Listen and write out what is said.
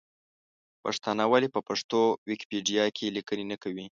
پښتانه ولې په پښتو ویکیپېډیا کې لیکنې نه کوي ؟